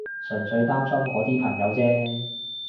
純粹擔心我啲朋友啫